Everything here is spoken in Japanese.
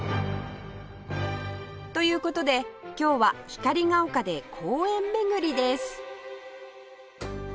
という事で今日は光が丘で公園巡りです